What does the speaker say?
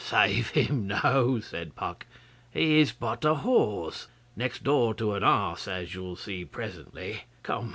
'Save him, no!' said Puck. 'He is but a horse next door to an ass, as you'll see presently. Come!